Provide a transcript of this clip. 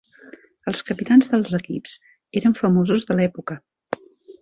Els capitans dels equips eren famosos de l'època.